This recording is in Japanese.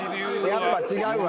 やっぱ違うわ。